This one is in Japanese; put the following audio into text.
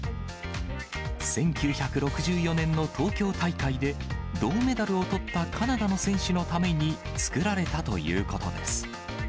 １９６４年の東京大会で、銅メダルをとったカナダの選手のために作られたということです。